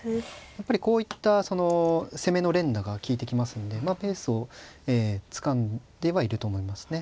やっぱりこういったその攻めの連打が利いてきますのでペースをつかんではいると思いますね。